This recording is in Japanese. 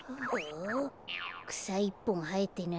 くさいっぽんはえてないね。